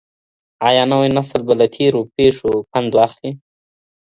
ایا نوی نسل به له تېرو پېښو پند واخلي؟